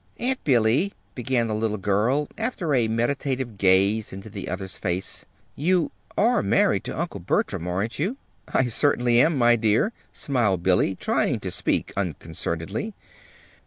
"Aunt Billy," began the little girl, after a meditative gaze into the other's face, "you are married to Uncle Bertram, aren't you?" "I certainly am, my dear," smiled Billy, trying to speak unconcernedly.